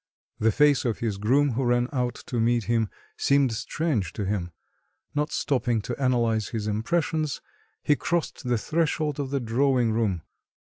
The face of his groom, who ran out to meet him, seemed strange to him. Not stopping to analyse his impressions, he crossed the threshold of the drawing room....